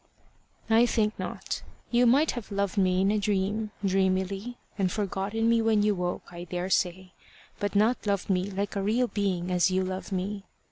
"I think not. You might have loved me in a dream, dreamily, and forgotten me when you woke, I daresay, but not loved me like a real being as you love me.